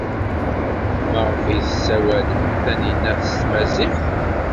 Maɣef ay tessawal Taninna s tmaziɣt?